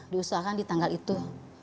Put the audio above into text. diusahakan di tanggal itu